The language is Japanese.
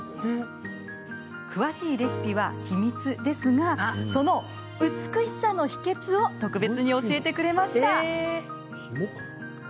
詳しいレシピは秘密ですがその美しさの秘けつを特別に教えてくれました。